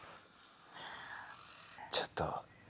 ちょっと。